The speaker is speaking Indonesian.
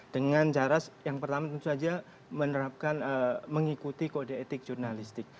dengan cara yang pertama tentu saja menerapkan mengikuti kode etik jurnalistik